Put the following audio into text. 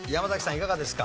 いかがですか？